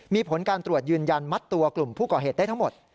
มีผลการตรวจยืนยันมัดตัวกลุ่มผู้ก่อเหตุได้ทั้งหมด